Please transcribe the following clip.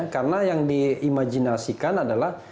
karena yang di imajinasikan adalah